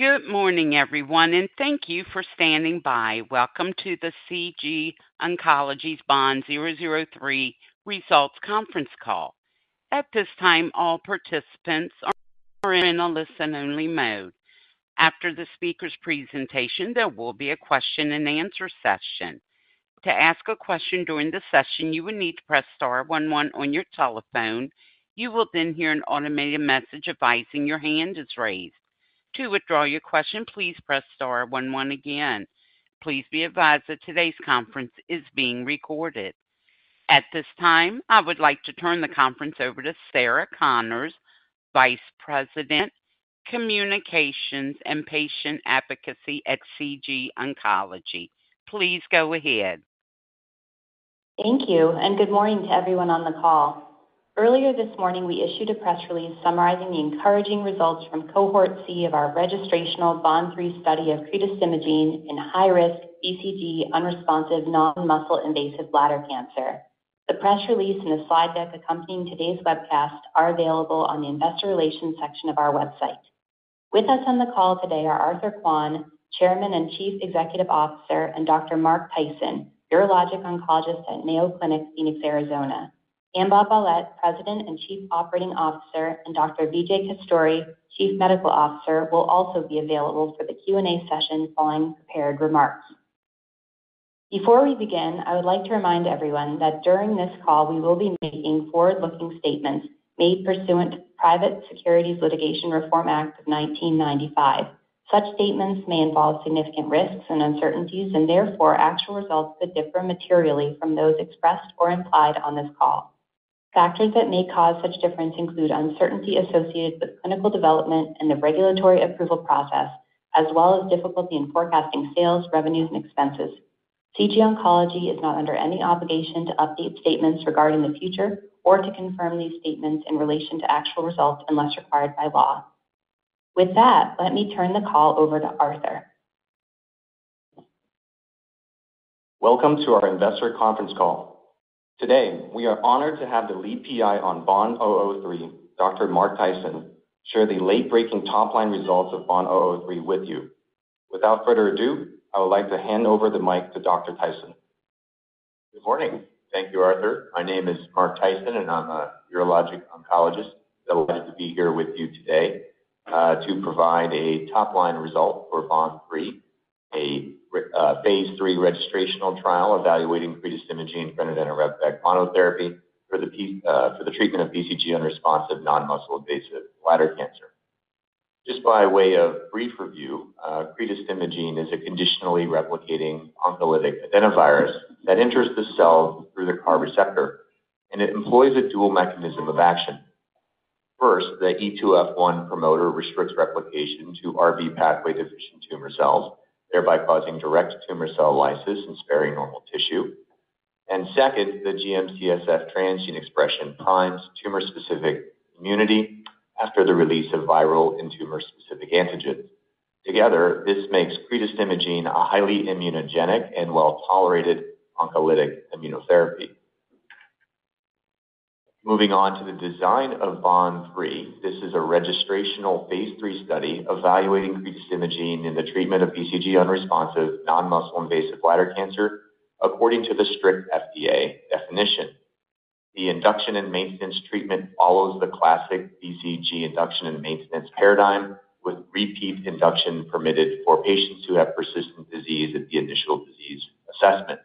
Good morning, everyone, and thank you for standing by. Welcome to the CG Oncology's Bond 003 Results Conference Call. At this time, all participants are in a listen-only mode. After the speaker's presentation, there will be a question-and-answer session. To ask a question during the session, you will need to press star one one on your telephone. You will then hear an automated message advising your hand is raised. To withdraw your question, please press star one one again. Please be advised that today's conference is being recorded. At this time, I would like to turn the conference over to Sarah Connors, Vice President, Communications and Patient Advocacy at CG Oncology. Please go ahead. Thank you, and good morning to everyone on the call. Earlier this morning, we issued a press release summarizing the encouraging results from Cohort C of our registrational Bond 3 study of cretostimogene grenadenorep in high-risk, BCG-unresponsive, non-muscle-invasive bladder cancer. The press release and the slide deck accompanying today's webcast are available on the investor relations section of our website. With us on the call today are Arthur Kuan, Chairman and Chief Executive Officer, and Dr. Mark Tyson, Urologic Oncologist at Mayo Clinic, Phoenix, Arizona. Ambaw Bellette, President and Chief Operating Officer, and Dr. Vijay Kasturi, Chief Medical Officer, will also be available for the Q&A session following prepared remarks. Before we begin, I would like to remind everyone that during this call, we will be making forward-looking statements made pursuant to the Private Securities Litigation Reform Act of 1995. Such statements may involve significant risks and uncertainties, and therefore, actual results could differ materially from those expressed or implied on this call. Factors that may cause such difference include uncertainty associated with clinical development and the regulatory approval process, as well as difficulty in forecasting sales, revenues, and expenses. CG Oncology is not under any obligation to update statements regarding the future or to confirm these statements in relation to actual results unless required by law. With that, let me turn the call over to Arthur. Welcome to our investor conference call. Today, we are honored to have the lead PI on BOND-003, Dr. Mark Tyson, share the late-breaking top-line results of BOND-003 with you. Without further ado, I would like to hand over the mic to Dr. Tyson. Good morning. Thank you, Arthur. My name is Mark Tyson, and I'm a urologic oncologist. Delighted to be here with you today to provide a top-line result for BOND-003, a phase 3 registrational trial evaluating cretostimogene grenadenorep and Cretostimogene grenadenorepvec monotherapy for the treatment of BCG unresponsive, non-muscle-invasive bladder cancer. Just by way of brief review, Cretostimogene grenadenorepvec is a conditionally replicating oncolytic adenovirus that enters the cell through the CAR receptor, and it employs a dual mechanism of action. First, the E2F1 promoter restricts replication to Rb pathway deficient tumor cells, thereby causing direct tumor cell lysis and sparing normal tissue. And second, the GM-CSF transgene expression primes tumor-specific immunity after the release of viral and tumor-specific antigens. Together, this makes Cretostimogene grenadenorepvec a highly immunogenic and well-tolerated oncolytic immunotherapy. Moving on to the design of BOND-003, this is a registrational phase 3 study evaluating cretostimogene grenadenorep in the treatment of BCG unresponsive, non-muscle-invasive bladder cancer according to the strict FDA definition. The induction and maintenance treatment follows the classic BCG induction and maintenance paradigm, with repeat induction permitted for patients who have persistent disease at the initial disease assessment.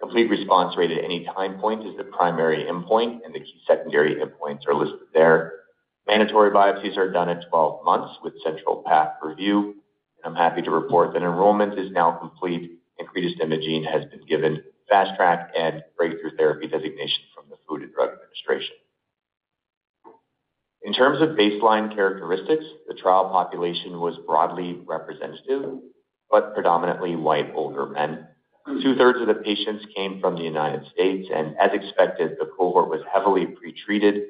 Complete response rate at any time point is the primary endpoint, and the key secondary endpoints are listed there. Mandatory biopsies are done at 12 months with central path review, and I'm happy to report that enrollment is now complete and cretostimogene grenadenorep has been given fast track and breakthrough therapy designation from the Food and Drug Administration. In terms of baseline characteristics, the trial population was broadly representative, but predominantly white older men. Two-thirds of the patients came from the United States, and as expected, the cohort was heavily pretreated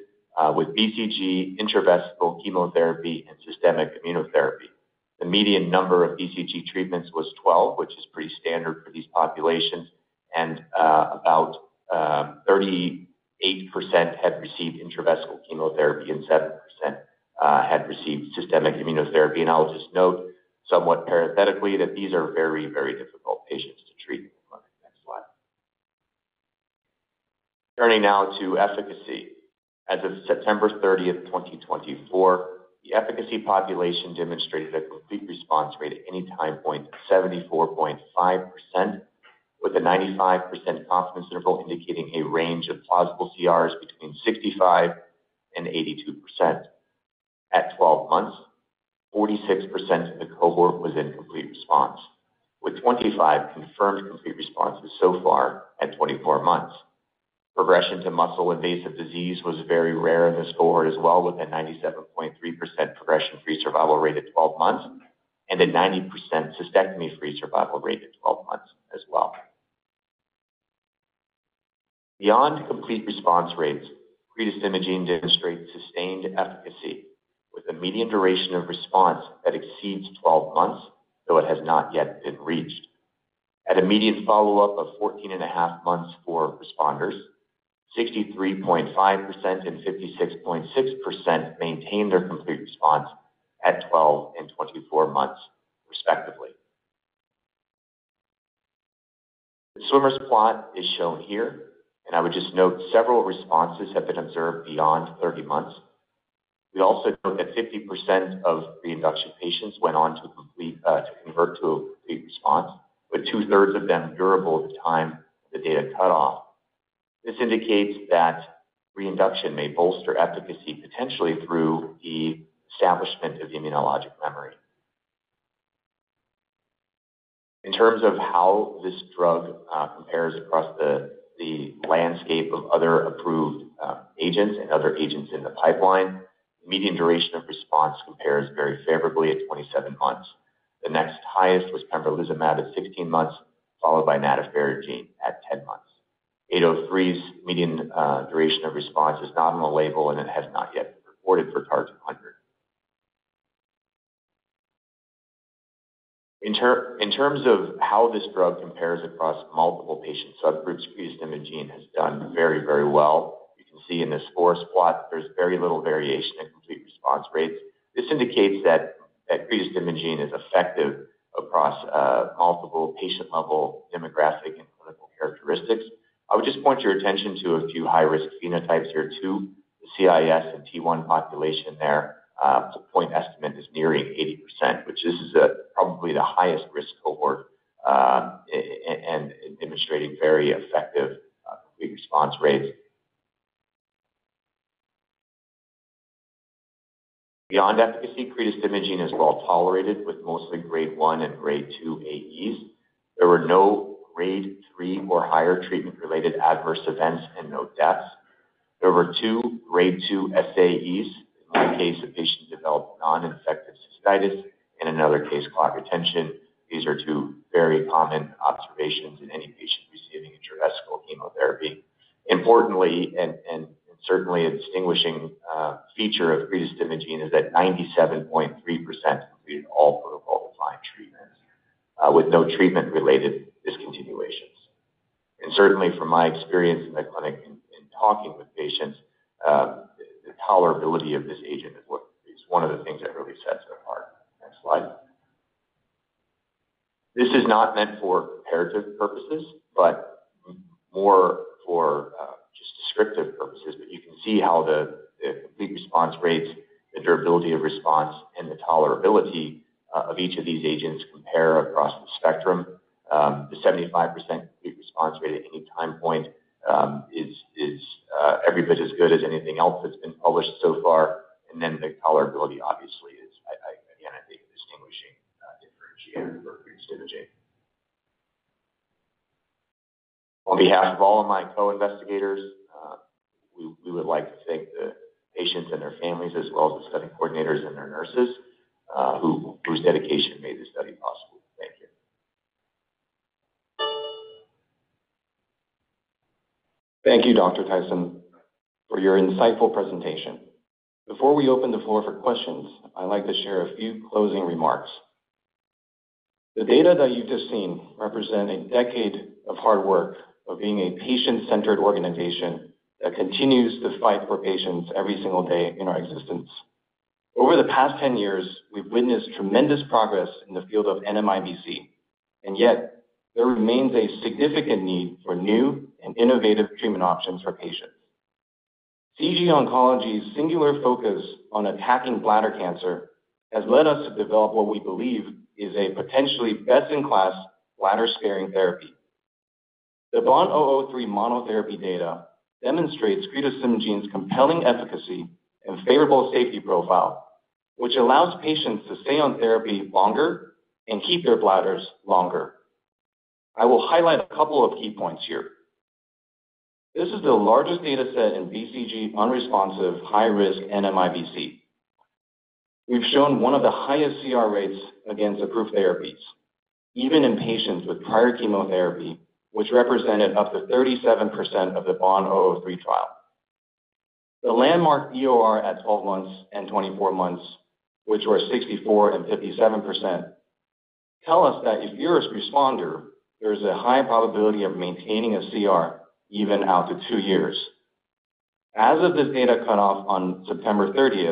with BCG, intravesical chemotherapy, and systemic immunotherapy. The median number of BCG treatments was 12, which is pretty standard for these populations, and about 38% had received intravesical chemotherapy and 7% had received systemic immunotherapy, and I'll just note, somewhat parenthetically, that these are very, very difficult patients to treat. Next slide. Turning now to efficacy. As of September 30, 2024, the efficacy population demonstrated a complete response rate at any time point of 74.5%, with a 95% confidence interval indicating a range of plausible CRs between 65% and 82%. At 12 months, 46% of the cohort was in complete response, with 25% confirmed complete responses so far at 24 months. Progression to muscle-invasive disease was very rare in this cohort as well, with a 97.3% progression-free survival rate at 12 months and a 90% cystectomy-free survival rate at 12 months as well. Beyond complete response rates, cretostimogene grenadenorep demonstrates sustained efficacy with a median duration of response that exceeds 12 months, though it has not yet been reached. At a median follow-up of 14 and a half months for responders, 63.5% and 56.6% maintained their complete response at 12 and 24 months, respectively. The swimmers plot is shown here, and I would just note several responses have been observed beyond 30 months. We also note that 50% of reinduction patients went on to convert to a complete response, with two-thirds of them durable at the time of the data cutoff. This indicates that reinduction may bolster efficacy potentially through the establishment of immunologic memory. In terms of how this drug compares across the landscape of other approved agents and other agents in the pipeline, the median duration of response compares very favorably at 27 months. The next highest was pembrolizumab at 16 months, followed by nadofaragene firadenovec at 10 months. N-803's median duration of response is not on the label, and it has not yet been reported for TARGET100. In terms of how this drug compares across multiple patient subgroups, cretostimogene grenadenorep has done very, very well. You can see in this fourth plot, there's very little variation in complete response rates. This indicates that cretostimogene grenadenorep is effective across multiple patient-level demographic and clinical characteristics. I would just point your attention to a few high-risk phenotypes here too. The CIS and T1 population there, point estimate, is nearing 80%, which this is probably the highest-risk cohort and demonstrating very effective complete response rates. Beyond efficacy, cretostimogene grenadenorep is well tolerated with mostly grade 1 and grade 2 AEs. There were no grade 3 or higher treatment-related adverse events and no deaths. There were two grade 2 SAEs. In one case, the patient developed non-infective cystitis, and in another case, clot retention. These are two very common observations in any patient receiving intravesical chemotherapy. Importantly, and certainly a distinguishing feature of cretostimogene grenadenorep, is that 97.3% completed all protocol-defined treatments with no treatment-related discontinuations. And certainly, from my experience in the clinic and talking with patients, the tolerability of this agent is one of the things that really sets it apart. Next slide. This is not meant for comparative purposes, but more for just descriptive purposes. But you can see how the complete response rates, the durability of response, and the tolerability of each of these agents compare across the spectrum. The 75% complete response rate at any time point is every bit as good as anything else that's been published so far, and then the tolerability, obviously, is, again, I think, a distinguishing differentiator for cretostimogene grenadenorep. On behalf of all of my co-investigators, we would like to thank the patients and their families, as well as the study coordinators and their nurses, whose dedication made this study possible. Thank you. Thank you, Dr. Tyson, for your insightful presentation. Before we open the floor for questions, I'd like to share a few closing remarks. The data that you've just seen represent a decade of hard work of being a patient-centered organization that continues to fight for patients every single day in our existence. Over the past 10 years, we've witnessed tremendous progress in the field of NMIBC, and yet there remains a significant need for new and innovative treatment options for patients. CG Oncology's singular focus on attacking bladder cancer has led us to develop what we believe is a potentially best-in-class bladder-sparing therapy. The BOND-003 monotherapy data demonstrates cretostimogene grenadenorep's compelling efficacy and favorable safety profile, which allows patients to stay on therapy longer and keep their bladders longer. I will highlight a couple of key points here. This is the largest data set in BCG unresponsive high-risk NMIBC. We've shown one of the highest CR rates against approved therapies, even in patients with prior chemotherapy, which represented up to 37% of the BOND-003 trial. The landmark DOR at 12 months and 24 months, which were 64% and 57%, tell us that if you're a responder, there is a high probability of maintaining a CR even after two years. As of the data cutoff on September 30,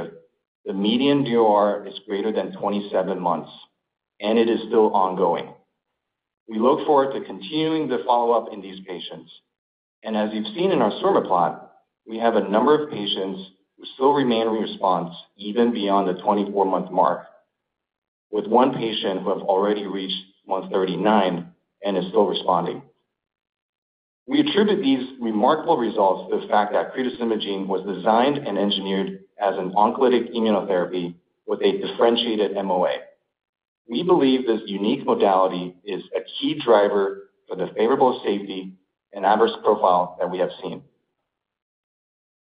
the median DOR is greater than 27 months, and it is still ongoing. We look forward to continuing the follow-up in these patients. And as you've seen in our swimmer plot, we have a number of patients who still remain in response even beyond the 24-month mark, with one patient who has already reached month 39 and is still responding. We attribute these remarkable results to the fact that cretostimogene grenadenorep was designed and engineered as an oncolytic immunotherapy with a differentiated MOA. We believe this unique modality is a key driver for the favorable safety and adverse profile that we have seen.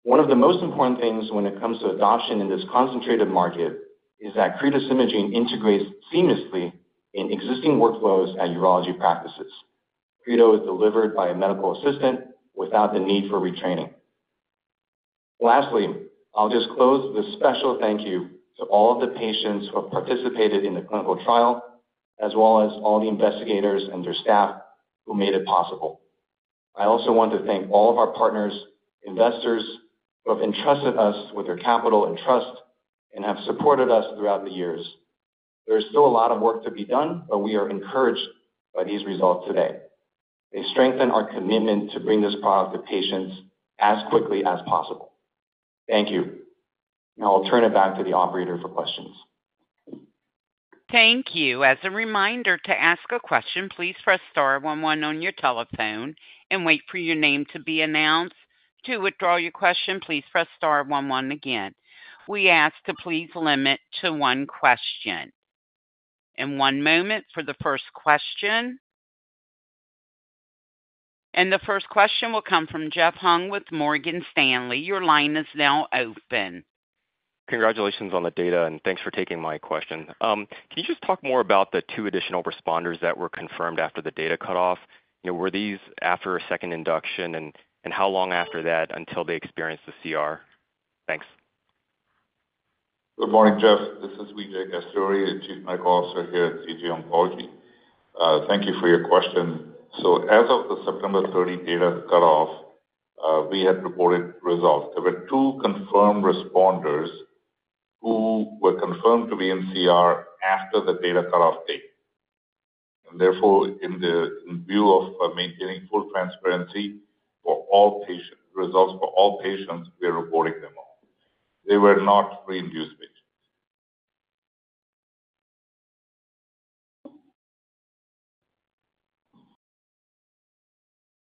One of the most important things when it comes to adoption in this concentrated market is that cretostimogene grenadenorep integrates seamlessly in existing workflows at urology practices. Cretostimogene grenadenorep is delivered by a medical assistant without the need for retraining. Lastly, I'll just close with a special thank you to all of the patients who have participated in the clinical trial, as well as all the investigators and their staff who made it possible. I also want to thank all of our partners, investors who have entrusted us with their capital and trust and have supported us throughout the years. There is still a lot of work to be done, but we are encouraged by these results today. They strengthen our commitment to bring this product to patients as quickly as possible. Thank you. Now I'll turn it back to the operator for questions. Thank you. As a reminder to ask a question, please press star 11 on your telephone and wait for your name to be announced. To withdraw your question, please press star 11 again. We ask to please limit to one question. And one moment for the first question. And the first question will come from Jeff Hung with Morgan Stanley. Your line is now open. Congratulations on the data, and thanks for taking my question. Can you just talk more about the two additional responders that were confirmed after the data cutoff? Were these after a second induction, and how long after that until they experienced the CR? Thanks. Good morning, Jeff. This is Vijay Kasturi, Chief Medical Officer here at CG Oncology. Thank you for your question. So as of the September 30 data cutoff, we had reported results. There were two confirmed responders who were confirmed to be in CR after the data cutoff date, and therefore, in view of maintaining full transparency for all patient results for all patients, we are reporting them all. They were not reinduced patients.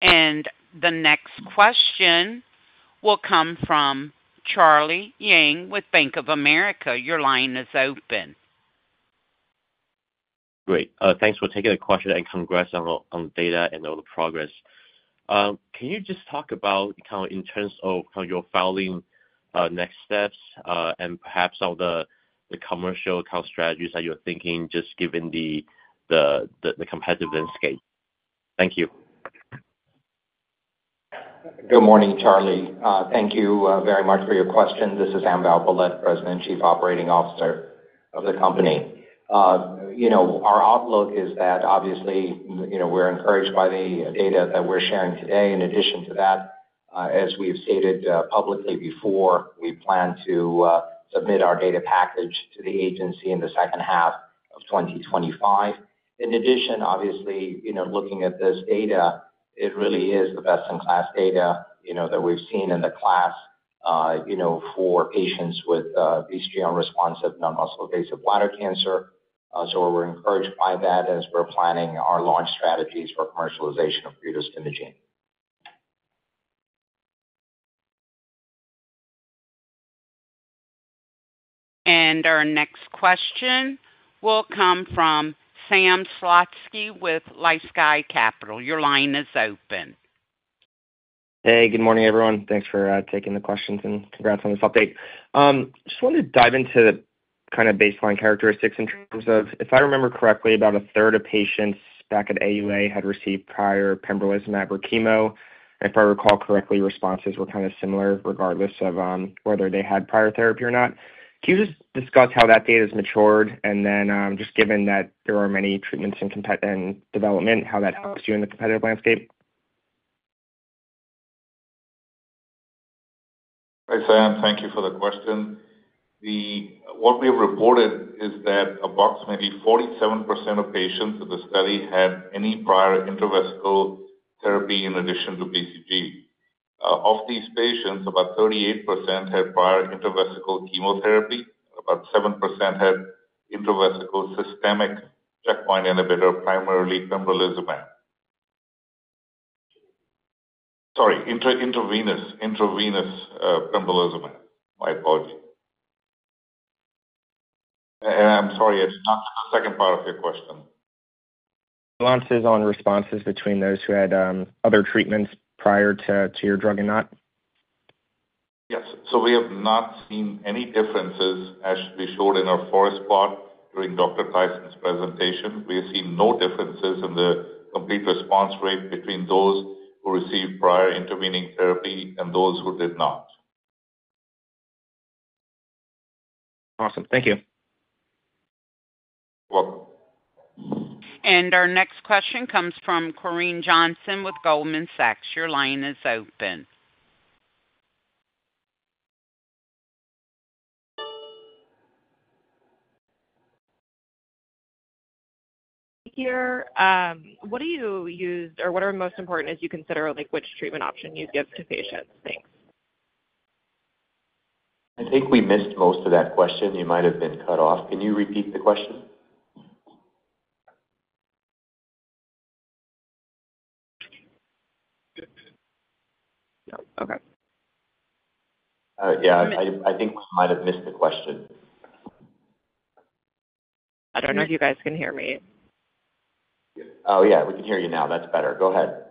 And the next question will come from Charlie Yang with Bank of America. Your line is open. Great. Thanks for taking the question, and congrats on the data and all the progress. Can you just talk about in terms of your following next steps and perhaps some of the commercial strategies that you're thinking, just given the competitive landscape? Thank you. Good morning, Charlie. Thank you very much for your question. This is Ambaw Bellette, President and Chief Operating Officer of the company. Our outlook is that, obviously, we're encouraged by the data that we're sharing today. In addition to that, as we've stated publicly before, we plan to submit our data package to the agency in the second half of 2025. In addition, obviously, looking at this data, it really is the best-in-class data that we've seen in the class for patients with BCG unresponsive non-muscle-invasive bladder cancer. So we're encouraged by that as we're planning our launch strategies for commercialization of cretostimogene grenadenorep. Our next question will come from Sam Slutsky with LifeSci Capital. Your line is open. Hey, good morning, everyone. Thanks for taking the questions and congrats on this update. Just wanted to dive into kind of baseline characteristics in terms of, if I remember correctly, about a third of patients back at AUA had received prior pembrolizumab or chemo. If I recall correctly, responses were kind of similar regardless of whether they had prior therapy or not. Can you just discuss how that data has matured? And then, just given that there are many treatments in development, how that helps you in the competitive landscape? Hi, Sam. Thank you for the question. What we have reported is that approximately 47% of patients in the study had any prior intravesical therapy in addition to BCG. Of these patients, about 38% had prior intravesical chemotherapy, and about 7% had intravesical systemic checkpoint inhibitor, primarily pembrolizumab. Sorry, intravenous pembrolizumab. My apology. I'm sorry, I did not get the second part of your question. The nuances on responses between those who had other treatments prior to your drug and not? Yes. So we have not seen any differences, as we showed in our fourth plot during Dr. Tyson's presentation. We have seen no differences in the complete response rate between those who received prior intervening therapy and those who did not. Awesome. Thank you. You're welcome. Our next question comes from Corinne Jenkins with Goldman Sachs. Your line is open. Thank you. What do you use, or what are most important as you consider which treatment option you give to patients? Thanks. I think we missed most of that question. You might have been cut off. Can you repeat the question? Yeah. Okay. Yeah. I think we might have missed the question. I don't know if you guys can hear me. Oh, yeah. We can hear you now. That's better. Go ahead.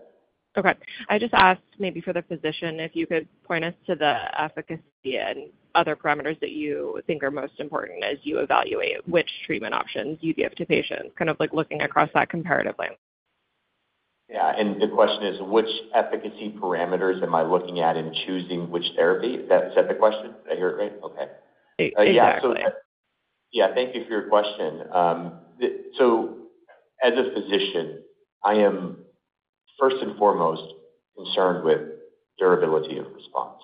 Okay. I just asked maybe for the physician if you could point us to the efficacy and other parameters that you think are most important as you evaluate which treatment options you give to patients, kind of looking across that comparative line. Yeah. And the question is, which efficacy parameters am I looking at in choosing which therapy? Is that the question? Did I hear it right? Okay. Yeah. Yeah. Thank you for your question. So as a physician, I am, first and foremost, concerned with durability of response.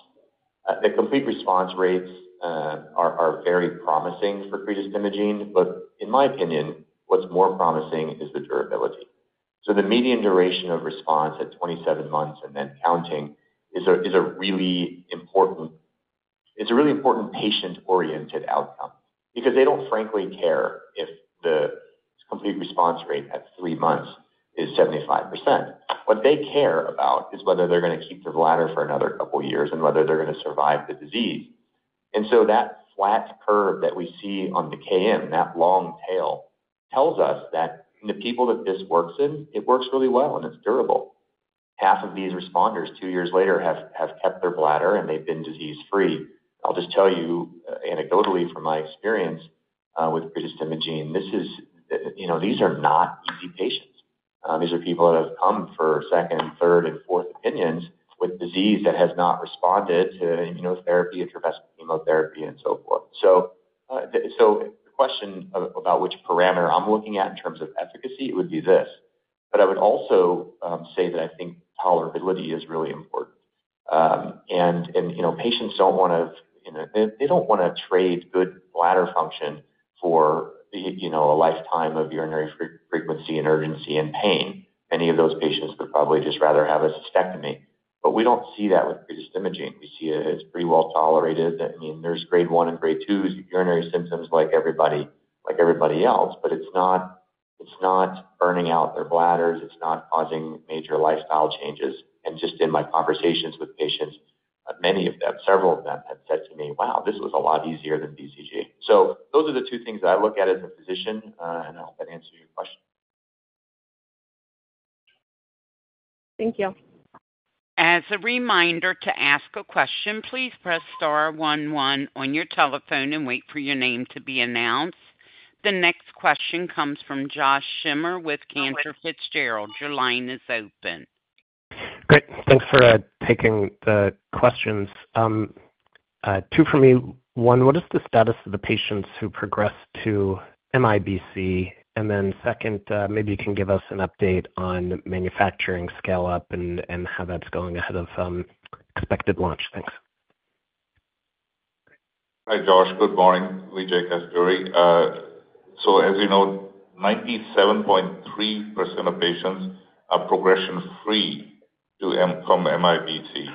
The complete response rates are very promising for Cretostimogene grenadenorepvec, but in my opinion, what's more promising is the durability. So the median duration of response at 27 months and then counting is a really important patient-oriented outcome because they don't frankly care if the complete response rate at three months is 75%. What they care about is whether they're going to keep the bladder for another couple of years and whether they're going to survive the disease. And so that flat curve that we see on the KM, that long tail, tells us that the people that this works in, it works really well, and it's durable. Half of these responders, two years later, have kept their bladder, and they've been disease-free. I'll just tell you anecdotally from my experience with cretostimogene, these are not easy patients. These are people that have come for second, third, and fourth opinions with disease that has not responded to immunotherapy, intravesical chemotherapy, and so forth. So the question about which parameter I'm looking at in terms of efficacy would be this, but I would also say that I think tolerability is really important. And patients don't want to trade good bladder function for a lifetime of urinary frequency and urgency and pain. Many of those patients would probably just rather have a cystectomy, but we don't see that with cretostimogene. We see it's pretty well tolerated. I mean, there's grade 1 and grade 2 urinary symptoms like everybody else, but it's not burning out their bladders. It's not causing major lifestyle changes. Just in my conversations with patients, many of them, several of them, have said to me, "Wow, this was a lot easier than BCG." So those are the two things that I look at as a physician, and I hope that answers your question. Thank you. As a reminder to ask a question, please press star one one on your telephone and wait for your name to be announced. The next question comes from Josh Schimmer with Cantor Fitzgerald. Your line is open. Great. Thanks for taking the questions. Two for me. One, what is the status of the patients who progressed to MIBC? And then second, maybe you can give us an update on manufacturing scale-up and how that's going ahead of expected launch. Thanks. Hi, Josh. Good morning, Vijay Kasturi. So as you know, 97.3% of patients are progression-free from MIBC.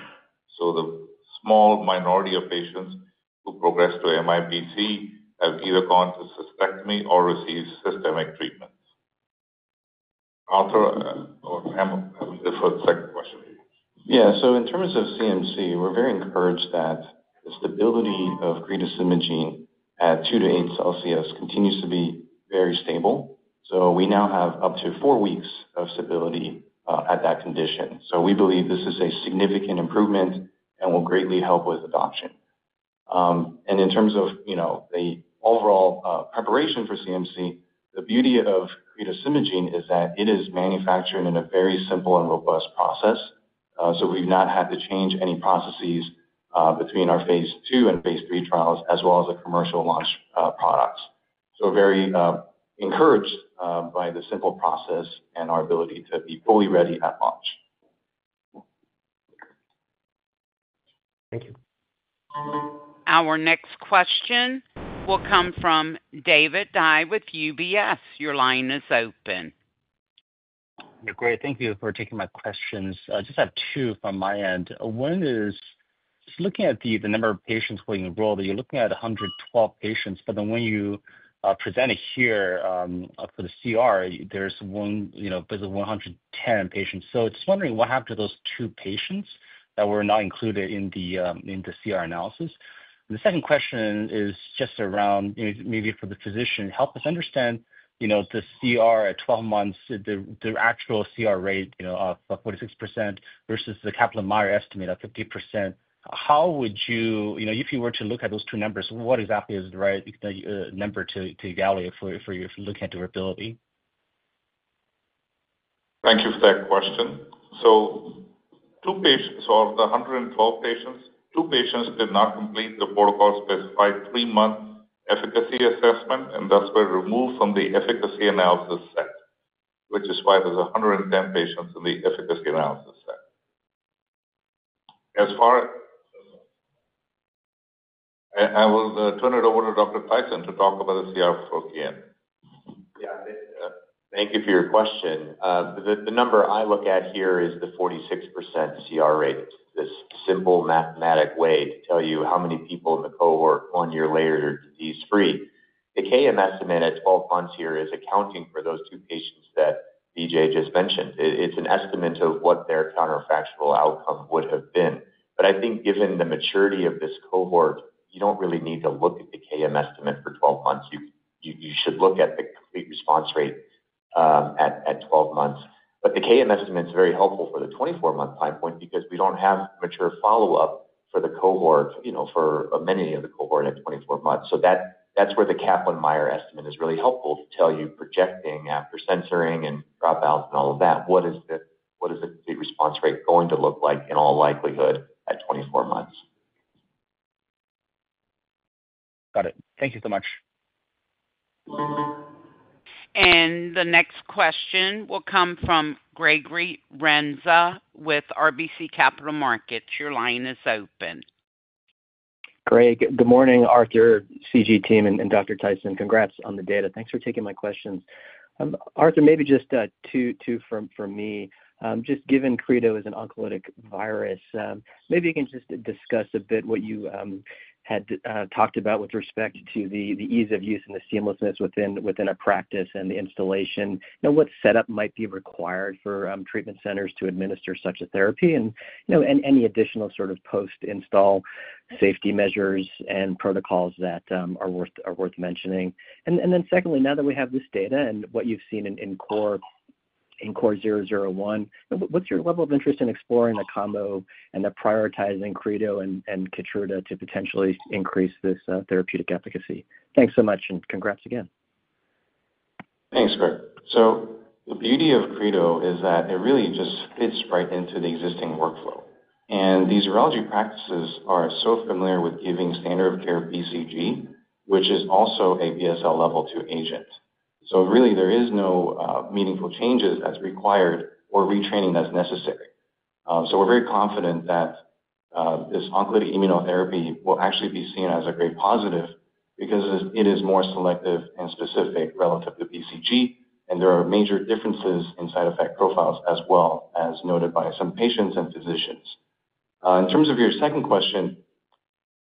So the small minority of patients who progressed to MIBC have either gone to cystectomy or received systemic treatment. Arthur or Sam, I'm here for the second question. Yeah. So in terms of CMC, we're very encouraged that the stability of cretostimogene grenadenorep at 2-8 degrees Celsius continues to be very stable. So we now have up to four weeks of stability at that condition. So we believe this is a significant improvement and will greatly help with adoption. And in terms of the overall preparation for CMC, the beauty of cretostimogene grenadenorep is that it is manufactured in a very simple and robust process. So we've not had to change any processes between our phase two and phase three trials, as well as the commercial launch products. So very encouraged by the simple process and our ability to be fully ready at launch. Thank you. Our next question will come from David Dai with UBS. Your line is open. Great. Thank you for taking my questions. I just have two from my end. One is, just looking at the number of patients we enrolled, you're looking at 112 patients, but then when you presented here for the CR, there's basically 110 patients. So just wondering what happened to those two patients that were not included in the CR analysis. And the second question is just around maybe for the physician, help us understand the CR at 12 months, the actual CR rate of 46% versus the Kaplan-Meier estimate of 50%. How would you, if you were to look at those two numbers, what exactly is the right number to evaluate for looking at durability? Thank you for that question. So of the 112 patients, two patients did not complete the protocol-specified three-month efficacy assessment, and thus were removed from the efficacy analysis set, which is why there's 110 patients in the efficacy analysis set. As far as I will turn it over to Dr. Tyson to talk about the CR for NMIBC. Yeah. Thank you for your question. The number I look at here is the 46% CR rate, this simple mathematical way to tell you how many people in the cohort one year later are disease-free. The KM estimate at 12 months here is accounting for those two patients that Vijay just mentioned. It's an estimate of what their counterfactual outcome would have been. But I think given the maturity of this cohort, you don't really need to look at the KM estimate for 12 months. You should look at the complete response rate at 12 months. But the KM estimate is very helpful for the 24-month time point because we don't have mature follow-up for the cohort, for many of the cohort at 24 months. So that's where the Kaplan-Meier estimate is really helpful to tell you, projecting after censoring and dropouts and all of that, what is the complete response rate going to look like in all likelihood at 24 months? Got it. Thank you so much. And the next question will come from Gregory Renza with RBC Capital Markets. Your line is open. Greg, good morning, Arthur, CG team, and Dr. Tyson. Congrats on the data. Thanks for taking my questions. Arthur, maybe just two from me. Just given CREDO as an oncolytic virus, maybe you can just discuss a bit what you had talked about with respect to the ease of use and the seamlessness within a practice and the installation, what setup might be required for treatment centers to administer such a therapy, and any additional sort of post-install safety measures and protocols that are worth mentioning. And then secondly, now that we have this data and what you've seen in CORE-001, what's your level of interest in exploring the combo and prioritizing CREDO and Keytruda to potentially increase this therapeutic efficacy? Thanks so much, and congrats again. Thanks, Greg. So the beauty of CREDO is that it really just fits right into the existing workflow. And these urology practices are so familiar with giving standard of care BCG, which is also a BSL level 2 agent. So really, there are no meaningful changes that's required or retraining that's necessary. So we're very confident that this oncolytic immunotherapy will actually be seen as a great positive because it is more selective and specific relative to BCG, and there are major differences in side effect profiles as well as noted by some patients and physicians. In terms of your second question,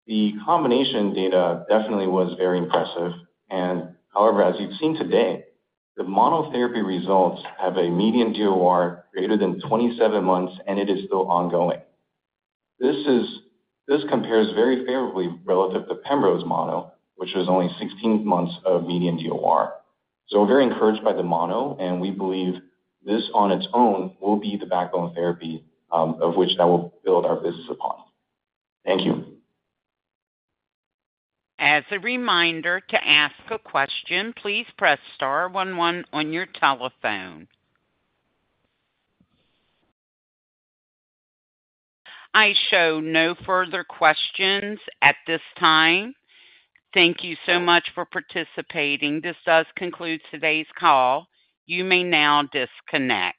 the combination data definitely was very impressive. And however, as you've seen today, the monotherapy results have a median DOR greater than 27 months, and it is still ongoing. This compares very favorably relative to pembrolizumab mono, which was only 16 months of median DOR. So we're very encouraged by the mono, and we believe this on its own will be the backbone therapy of which that will build our business upon. Thank you. As a reminder to ask a question, please press star 11 on your telephone. I show no further questions at this time. Thank you so much for participating. This does conclude today's call. You may now disconnect.